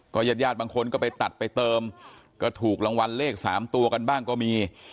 ญาติญาติบางคนก็ไปตัดไปเติมก็ถูกรางวัลเลข๓ตัวกันบ้างก็มี